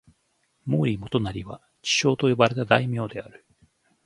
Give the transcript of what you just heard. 毛利元就は智将と呼ばれた大名である。